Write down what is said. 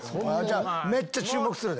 めっちゃ注目するで。